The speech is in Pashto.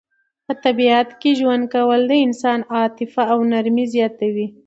په طبیعت کې ژوند کول د انسان عاطفه او نرمي زیاتوي.